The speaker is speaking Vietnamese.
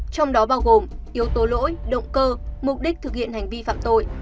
trong đó bao gồm yếu tố lỗi động cơ mục đích thực hiện hành vi phạm tội